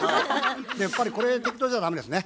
やっぱりこれ適当じゃ駄目ですね。